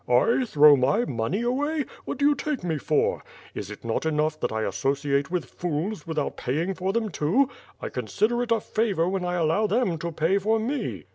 "I, throw my money away? What do you take me for? Is it not enough that I associate with fools without paying for them too. 1 consider it a favor when I allow them to pay for me."